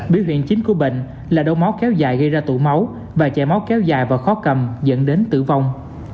biểu hiện chính của bệnh là đông máu kéo dài gây ra tụ máu và chạy máu kéo dài và khó cầm dẫn đến tử vong